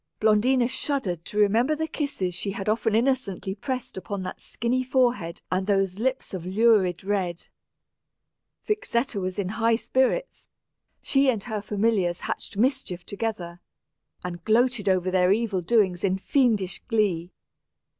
Blondina shuddered to remember the kisses she had often innocently pressed upon that skinny forehead and those lips of lurid red. Vixetta was in high spirits; she and her familiars hatched mischief together, and gloated over their evil doings in fiendish glee.